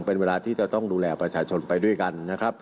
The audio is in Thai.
เป็นเวลาที่จะต้องดูแลประชาชนไปด้วยกันนะครับ